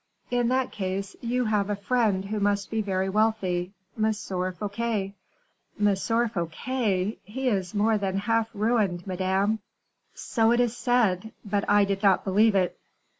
"In that case, you have a friend who must be very wealthy M. Fouquet." "M. Fouquet! He is more than half ruined, madame." "So it is said, but I did not believe it."